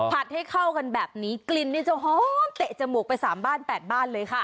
ให้เข้ากันแบบนี้กลิ่นนี่จะหอมเตะจมูกไป๓บ้าน๘บ้านเลยค่ะ